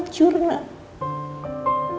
aku bersamaku aja